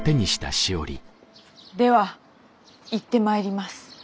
では行って参ります。